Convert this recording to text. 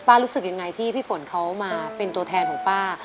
รู้สึกยังไงที่พี่ฝนเขามาเป็นตัวแทนของป้า